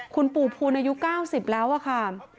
คุณปู่ภูลอายุ๙๐แล้วอะค่ะ